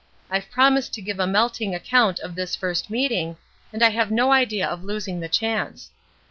I've promised to give a melting account of this first meeting, and I have no idea of losing the chance.